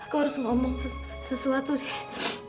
gue harus ngomong sesuatu deh